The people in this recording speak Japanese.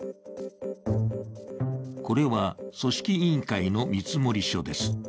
これは組織委員会の見積書です。